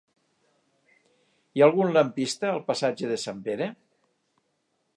Hi ha algun lampista al passatge de Sant Pere?